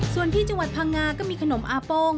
ส่วนที่จังหวัดพังงาก็มีขนมอาโป้ง